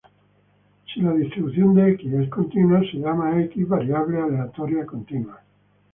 Si la distribución de "X" es continua, se llama a "X" variable aleatoria continua.